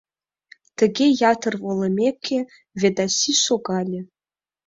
Тыге ятыр волымеке, Ведаси шогале.